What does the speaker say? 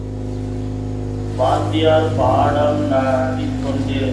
வாத்தியார் பாடம் நடத்திக் கொண்டிருக்கிறார்.